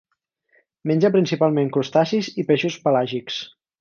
Menja principalment crustacis i peixos pelàgics.